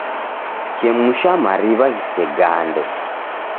Chemusha mariw'a ghisegande.